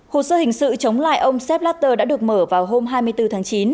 hồ sơ hình sự chống lại ông sepp blatter đã được mở vào hôm hai mươi bốn tháng chín